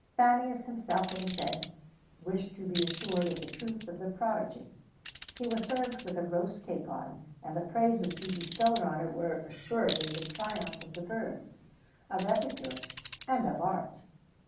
Fannius, himself, it is said, wished to be assured of the truth of the prodigy: he was served with a roast capon, and the praises he bestowed on it were assuredly the triumph of the bird, of epicures, and of art.